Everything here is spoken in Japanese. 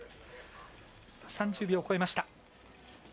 ３０秒超えました。